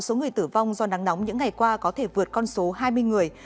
số người tử vong do nắng nóng những ngày qua có thể vượt con số hai mươi người